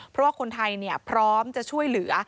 เพราะว่าคนไทยพร้อมจะช่วยเหลือ